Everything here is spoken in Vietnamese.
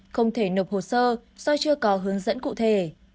không thể nộp hồ sơ do chưa có hướng dẫn cụ thể